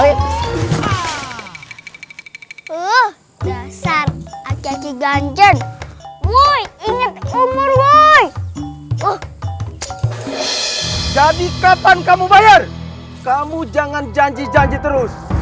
woi ini umur woi jadi kapan kamu bayar kamu jangan janji janji terus